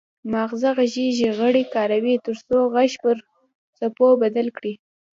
مغزه غږیز غړي کاروي ترڅو غږ پر څپو بدل کړي